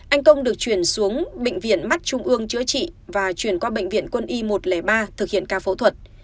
anh công được chuyển xuống bệnh viện mắt trung ương chữa trị và chuyển qua bệnh viện quân y một trăm linh ba thực hiện ca phẫu thuật